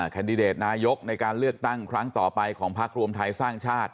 แนตนายกในการเลือกตั้งครั้งต่อไปของพักรวมไทยสร้างชาติ